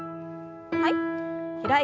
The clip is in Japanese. はい。